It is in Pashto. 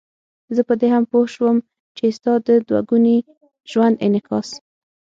زه په دې هم پوه شوم چې ستا د دوه ګوني ژوند انعکاس.